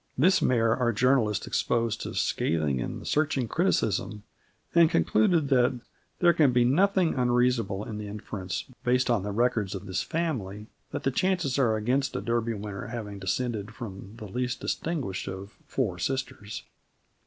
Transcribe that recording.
This mare our journalist exposed to scathing and searching criticism, and concluded that "there can be nothing unreasonable in the inference, based on the records of this family, that the chances are against a Derby winner having descended from the least distinguished of ... four sisters."